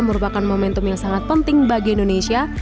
merupakan momentum yang sangat penting bagi indonesia